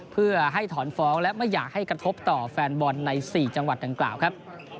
เพื่อให้ถอนฟ้องและไม่อยากให้กระทบต่อแฟนบอลใน๔จังหวัดดังกล่าวครับ